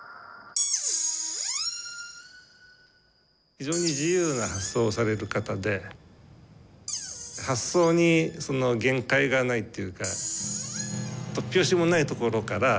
非常に自由な発想をされる方で発想に限界がないっていうか突拍子もないところから